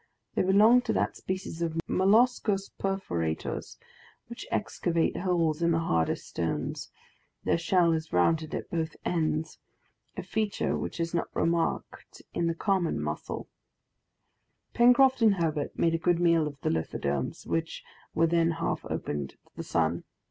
They belong to that species of molluscous perforators which excavate holes in the hardest stone; their shell is rounded at both ends, a feature which is not remarked in the common mussel. Pencroft and Herbert made a good meal of the lithodomes, which were then half opened to the sun.